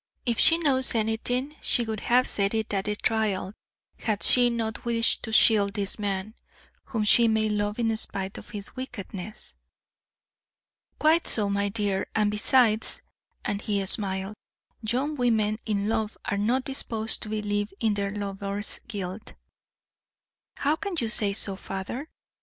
If she knows anything she would have said it at the trial had she not wished to shield this man, whom she may love in spite of his wickedness." "Quite so, my dear; and besides," and he smiled, "young women in love are not disposed to believe in their lovers' guilt." "How can you say so, father?"